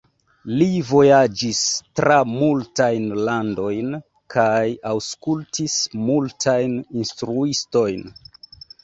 Li vojaĝis tra multajn landojn kaj aŭskultis multajn instruistojn.